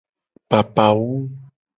Papawum.